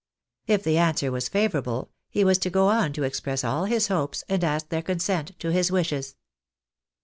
If the answer was favourable, he was to go on to express all his hopes, and ask their consent to his wishes.